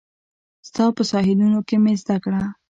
ستا په ساحلونو کې مې زده کړه